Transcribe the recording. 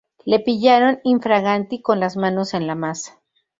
Le pillaron "in fraganti", con las manos en la masa